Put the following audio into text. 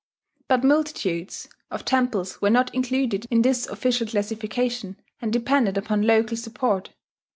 But multitudes of temples were not included in this official classification, and depended upon local support.